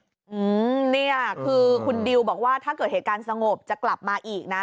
อืมเนี่ยคือคุณดิวบอกว่าถ้าเกิดเหตุการณ์สงบจะกลับมาอีกนะ